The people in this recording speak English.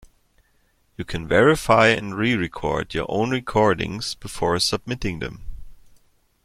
You can verify and re-record your own recordings before submitting them.